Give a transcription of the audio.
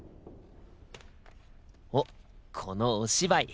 おっこのお芝居。